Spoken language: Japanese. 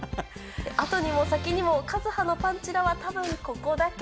後にも先にも、和葉のパンチラはたぶんここだけ。